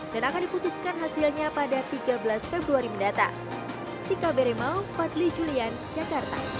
dan akan diputuskan hasilnya pada tiga belas februari mendatang